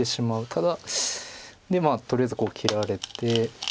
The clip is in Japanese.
ただでとりあえず切られて。